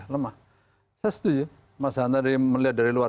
saya setuju mas hanta melihat dari luar